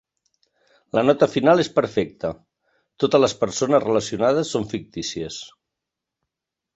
La nota final és perfecta: "Totes les persones relacionades són fictícies.